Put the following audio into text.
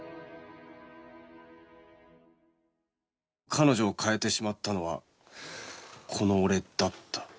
彼女を変えてしまったのはこの俺だった